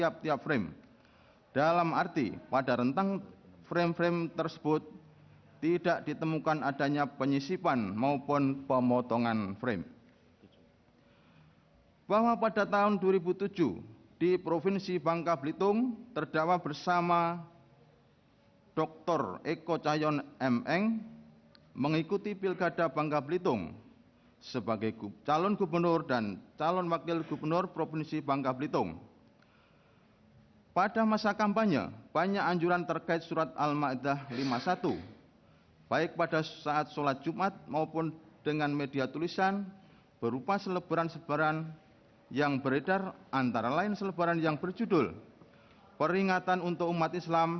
pengadilan memperoleh fakta fakta hukum sebagai berikut